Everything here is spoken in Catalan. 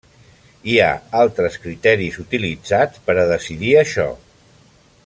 Hi ha altres criteris utilitzats per a decidir això.